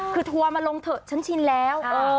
คือทัวร์มาลงเถอะฉันชินแล้ว